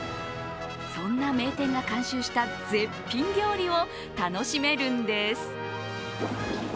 そんな名店が監修した絶品料理を楽しめるんです。